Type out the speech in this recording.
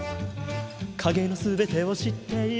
「影の全てを知っている」